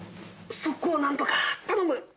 そこを何とか頼む！